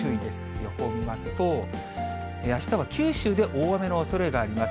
予報を見ますと、あしたは九州で大雨のおそれがあります。